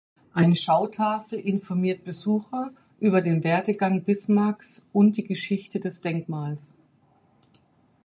Eine Schautafel informiert Besucher über den Werdegang Bismarcks und die Geschichte des Denkmals.